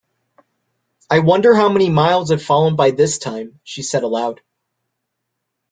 ‘I wonder how many miles I’ve fallen by this time?’ she said aloud.